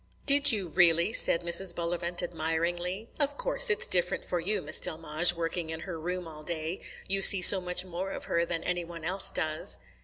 "Did you really?" said Mrs. Bullivant admiringly. "Of course, it's different for you, Miss Delmege, working in her room all day. You see so much more of her than any one else does."